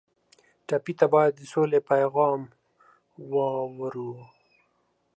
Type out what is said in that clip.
ټپي ته باید د سولې پیغام واورو.